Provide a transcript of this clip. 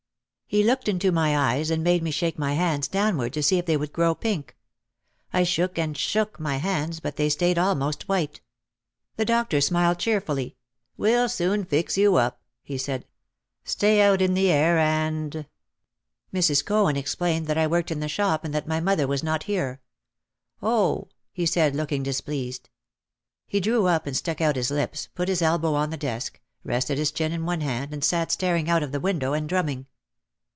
He looked into my eyes and made me shake my hands downward to see if they would grow pink. I shook and shook my hands but they stayed almost white. The doctor smiled cheerfully. "We'll soon fix you up," he said ; "stay out in the air, and ." 138 OUT OF THE SHADOW Mrs. Cohen explained that I worked in the shop and that my mother was not here. "Oh," he said, looking dis pleased. He drew up and stuck out his lips, put his elbow on the desk, rested his chin in one hand and sat staring out of the window and drumming.